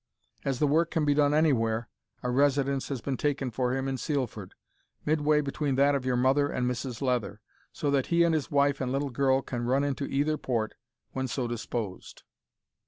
As the work can be done anywhere, a residence has been taken for him in Sealford, mid way between that of your mother and Mrs Leather, so that he and his wife and little girl can run into either port when so disposed.